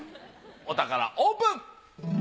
お宝オープン。